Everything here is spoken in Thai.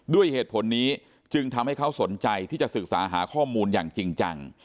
ด้วยเหตุผลนี้จึงทำให้เขาสนใจที่จะศึกษาหาข้อมูลอย่างจริงจัง